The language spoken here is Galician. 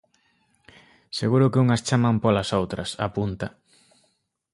"Seguro que unhas chaman polas outras", apunta.